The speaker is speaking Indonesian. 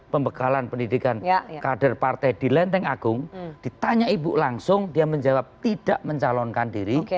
pembekalan pendidikan kader partai di lenteng agung ditanya ibu langsung dia menjawab tidak mencalonkan diri